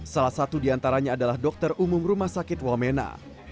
salah satu diantaranya adalah dokter umum rumah sakit wamena